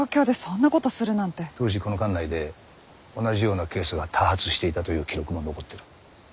当時この管内で同じようなケースが多発していたという記録も残ってる。